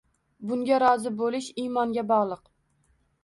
Bunga rozi bo‘lish imonga bog‘liq.